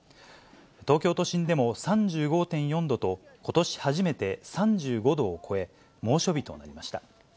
東京都心でも３５．４度と、ことし初めて３５度を超え、猛暑日となりました。